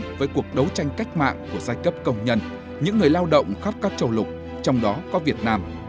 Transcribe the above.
trong cuộc đấu tranh cách mạng của giai cấp công nhân những người lao động khắp các chầu lục trong đó có việt nam